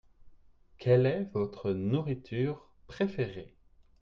Quelle est votre nourriture préférée ?